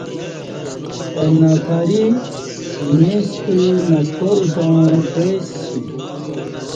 اہ نفری اݩیستہ نسکار تاووں پعیسی